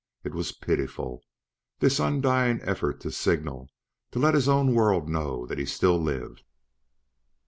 It was pitiful, this undying effort to signal, to let his own world know that he still lived.